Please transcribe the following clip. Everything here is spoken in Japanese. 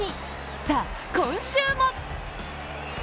さあ、今週も！